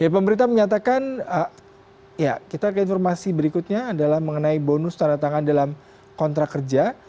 pemerintah menyatakan kita akan informasi berikutnya adalah mengenai bonus tanah tangan dalam kontrak kerja